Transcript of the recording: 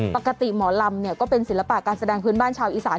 ปกติหมอลำก็เป็นศิลปะการแสดงพื้นบ้านชาวอีสาน